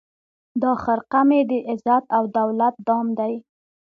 دا خرقه مي د عزت او دولت دام دی